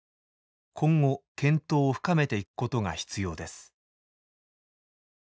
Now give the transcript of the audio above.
今後検討を深めていくことが必要です」。